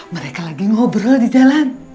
mereka lagi ngobrol di jalan